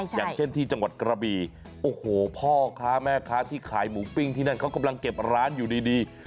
อย่างเช่นที่จังหวัดกระบีโอ้โหพ่อค้าแม่ค้าที่ขายหมูปิ้งที่นั่นเขากำลังเก็บร้านอยู่ดี